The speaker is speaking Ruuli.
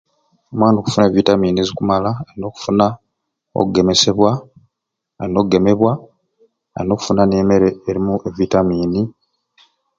Omwana okufuna e vitamin ezikumala alina okufuna okugemesebwa olina okugememwa olina okufuna emere erumu e vitamin